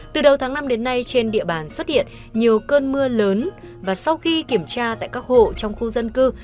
từ đầu tháng năm đến nay trên địa bàn xuất hiện nhiều cơn mưa lớn và sau khi kiểm tra tại các hộ trong khu dân cư